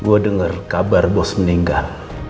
gue dengar kabar bos meninggal